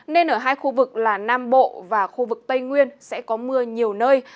nên ở hai khu vực là nam bộ và khu vực tây nguyên sẽ có mưa nhiều nơi